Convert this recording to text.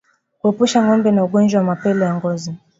Kuepusha ngombe na ugonjwa wa mapele ya ngozi